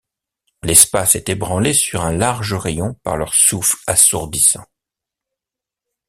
L’espace est ébranlé sur un large rayon par leurs souffles assourdissants.